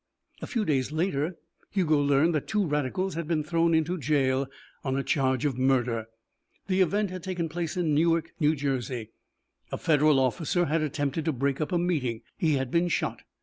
A few days later Hugo learned that two radicals had been thrown into jail on a charge of murder. The event had taken place in Newark, New Jersey. A federal officer had attempted to break up a meeting. He had been shot.